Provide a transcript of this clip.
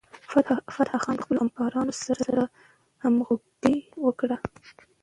فتح خان د خپلو همکارانو سره همغږي وکړه.